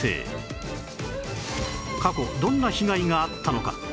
過去どんな被害があったのか？